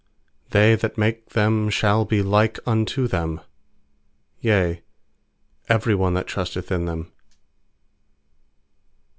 They that make them shall be like unto them; Yea, every one that trusteth in them.